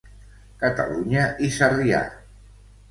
Catalunya i Sarrià.